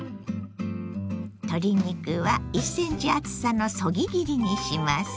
鶏肉は１ｃｍ厚さのそぎ切りにします。